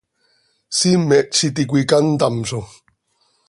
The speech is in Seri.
¿Siimet z iti cöica ntamzo?